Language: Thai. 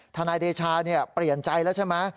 นายเดชาเปลี่ยนใจแล้วใช่ไหม